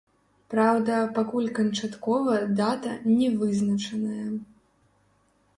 Праўда, пакуль канчаткова дата не вызначаная.